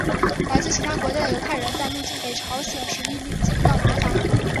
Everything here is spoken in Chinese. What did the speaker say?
来自其他国家的犹太人在入境北朝鲜时亦经历到麻烦。